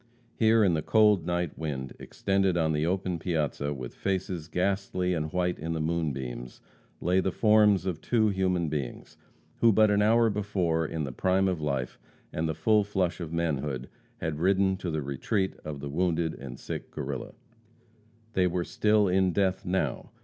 Here, in the cold night wind, extended on the open piazza, with faces ghastly and white in the moonbeams, lay the forms of two human beings, who but an hour before, in the prime of life and the full flush of manhood, had ridden to the retreat of the wounded and sick Guerrilla. They were still in death now.